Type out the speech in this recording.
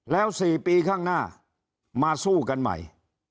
แล้ว๔ปีข้างหน้ามาสู้กันใหม่